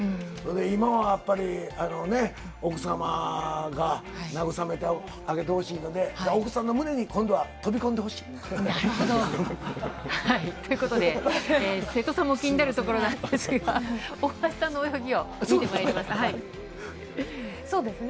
今はやっぱり、奥様が慰めてあげてほしいので、奥さんの胸に、今度は飛び込んでなるほど。ということで、瀬戸さんも気になるところなんですが、そうですね。